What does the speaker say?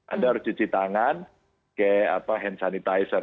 anda harus cuci tangan pakai hand sanitizer